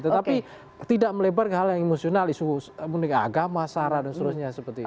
tetapi tidak melebar ke hal yang emosional isu agama syarat dan sebagainya seperti itu